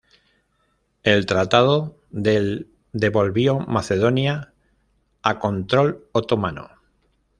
El tratado del devolvió Macedonia a control otomano.